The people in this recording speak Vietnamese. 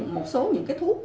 một số những thuốc